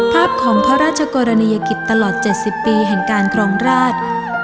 ภาพของพระราชกรณียกิจตลอด๗๐ปีแห่งการครองราช